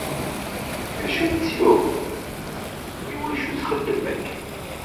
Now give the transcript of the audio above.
Acu i tt-yuɣen? Iwacu txeddem akken?